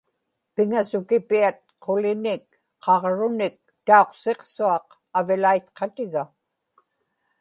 piŋasukipiat qulinik qaġrunik tauqsiqsuaq avilaitqatiga